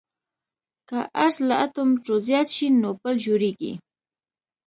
که عرض له اتو مترو زیات شي نو پل جوړیږي